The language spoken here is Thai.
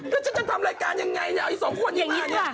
ก็จะทำรายการอย่างไรเอาอีกสองคนอย่างไร